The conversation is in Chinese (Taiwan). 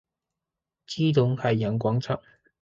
基隆海洋廣場